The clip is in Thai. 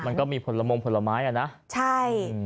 มันก็มีผลมงค์ผลไม้